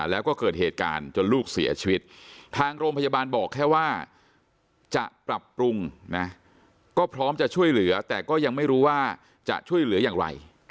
แล้วก็เกิดเหตุการณ์จนลูกเสียชีวิตทางโรงพยาบาลบอกแค่ว่าจะปรับปรุงนะก็พร้อมจะช่วยเหลือแต่ก็ยังไม่รู้ว่าจะช่วยเหลืออย่างไร